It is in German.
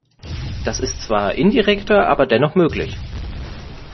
Das ist zwar indirekter, aber dennoch möglich.